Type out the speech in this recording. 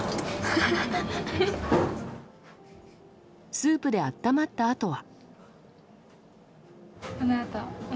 スープで温まったあとは。